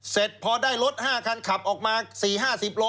เสร็จพอได้รถ๕คันขับออกมา๔๕๐โล